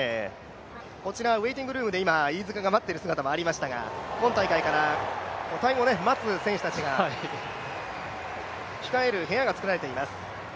こちらウエイティングルームで飯塚が待っている姿もありましたが今大会からタイムを待つ選手たちが控える部屋が作られています。